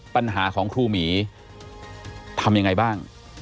ปัญหาของครูหมีทำยังไงบ้าง